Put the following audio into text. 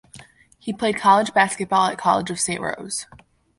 He played college basketball at College of Saint Rose.